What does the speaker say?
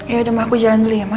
yaudah ma aku jalan dulu ya ma